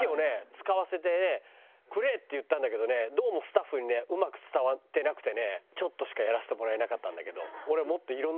使わせてくれって言ったんだけどねどうもスタッフにねうまく伝わってなくてねちょっとしかやらせてもらえなかったんだけど俺は。